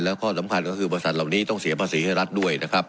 และข้อสำคัญก็คือบริษัทเหล่านี้ต้องเสียภาษีให้รัฐด้วยนะครับ